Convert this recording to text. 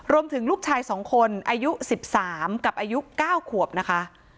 รวมถึงลูกชายสองคนอายุสิบสามกับอายุเก้าขวบนะคะ